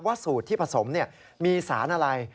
สูตรที่ผสมมีสารอะไร